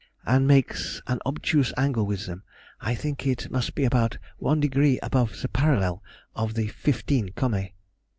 and makes an obtuse angle with them. I think it must be about 1° above the parallel of the 15 Comæ.